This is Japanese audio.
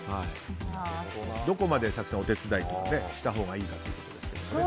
どこまで早紀さんお手伝いはしたほうがいいかということです。